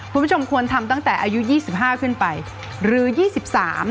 คุณผู้ชมควรทำตั้งแต่อายุยี่สิบห้าขึ้นไปหรือยี่สิบสาม